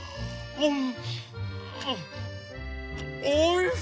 うん！